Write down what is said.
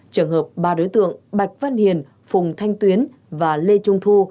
trường hợp ba đối tượng bạch văn hiền phùng thanh tuyến và lê trung thu